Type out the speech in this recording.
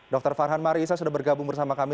dokter farhan marisa sudah bergabung bersama kami